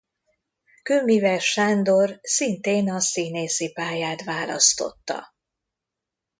Kőmíves Sándor szintén a színészi pályát választotta.